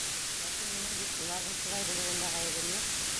Ләкин минең бит уларҙың шулай булыуында ғәйебем юҡ.